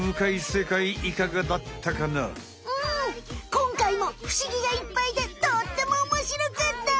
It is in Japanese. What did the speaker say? こんかいもふしぎがいっぱいでとってもおもしろかった！